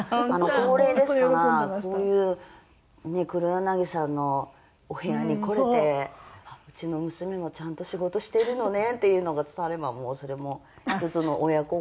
高齢ですからこういうね黒柳さんのお部屋に来れてうちの娘もちゃんと仕事してるのねっていうのが伝わればもうそれも１つの親孝行になればいいなと。